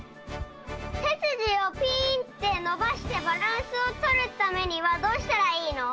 せすじをピンってのばしてバランスをとるためにはどうしたらいいの？